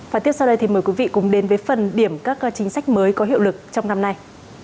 và tiếp sau đây thì mời quý vị cùng đến với phần điểm các chính sách mới có hiệu lực trong năm nay